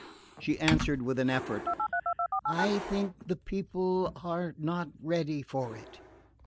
She answered with an effort: "I think the people are not ready for it."